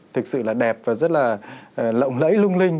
thực sự là đẹp và rất là lộng lẫy lung linh